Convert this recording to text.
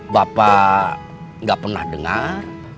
bapak nggak pernah dengar